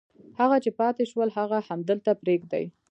هغه چې پاتې شول هغه همدلته پرېږدي.